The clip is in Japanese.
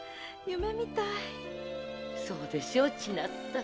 そうでしょう千奈津さん。